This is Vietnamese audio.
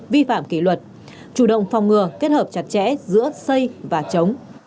vi phạm kỷ luật chủ động phòng ngừa kết hợp chặt chẽ giữa xây và chống